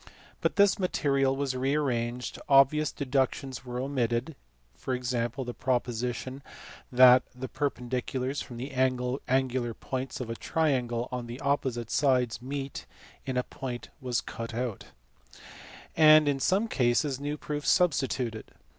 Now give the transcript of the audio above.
But this material was re arranged, obvious deductions were omitted (e.g. the proposition that the perpendiculars from the angular points of a triangle on the opposite sides meet in a point was cut out), and in some cases new proofs substituted.